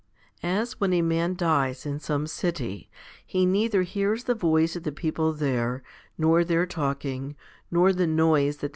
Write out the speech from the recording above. As when a man dies in some city, he neither hears the voice of the people there, nor their talking, nor the noise that they 1 Col.